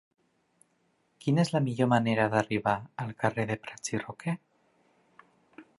Quina és la millor manera d'arribar al carrer de Prats i Roquer?